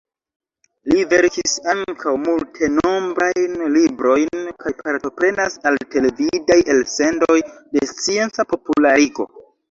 Li verkis ankaŭ multenombrajn librojn kaj partoprenas al televidaj elsendoj de scienca popularigo.